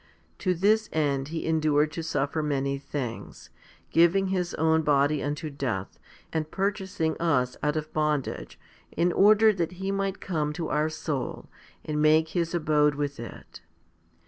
2 To this end He endured to suffer many things, giving His own body unto death, and purchasing us out of bondage, in order that He might come to our soul and make His abode with it.